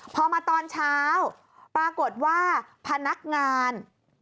พอมาตอนเช้าปรากฏว่าพนักงาน